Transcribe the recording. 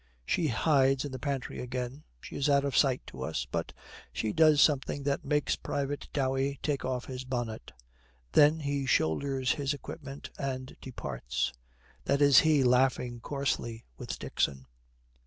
She hides in the pantry again. She is out of sight to us, but she does something that makes Private Dowey take off his bonnet. Then he shoulders his equipment and departs. That is he laughing coarsely with Dixon.